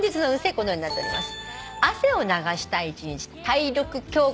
このようになっております。